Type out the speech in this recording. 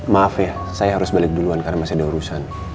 maaf ya saya harus balik duluan karena masih ada urusan